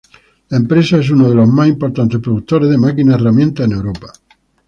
La empresa es uno de los más importantes productores de máquina herramienta en Europa.